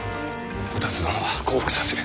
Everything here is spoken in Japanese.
お田鶴殿は降伏させる。